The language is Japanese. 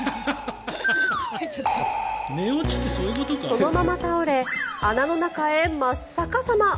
そのまま倒れ穴の中へ真っ逆さま。